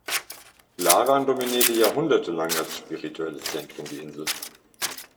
Laran dominierte jahrhundertelang als spirituelles Zentrum die Insel.